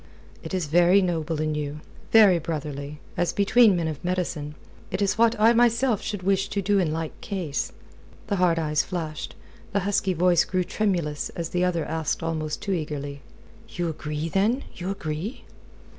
"It is very noble in you very brotherly, as between men of medicine. It is what I myself should wish to do in like case." The hard eyes flashed, the husky voice grew tremulous as the other asked almost too eagerly: "You agree, then? You agree?"